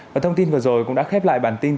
và thông tin vừa rồi cũng đã khép lại bản tin